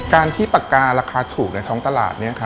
การที่ปากการาคาถูกในท้องตลาด